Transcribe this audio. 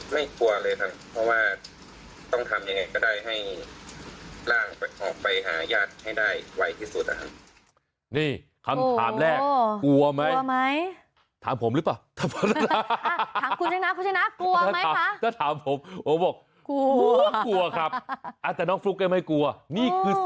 กลัวเลยครับเพราะว่าต้องทำยังไงก็ได้ให้ร่างออกไปหาญาติให้ได้ไวที่สุดนะครับ